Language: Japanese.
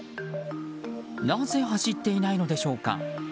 なぜ走っていないのでしょうか。